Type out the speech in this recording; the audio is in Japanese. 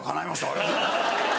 ありがとうございます。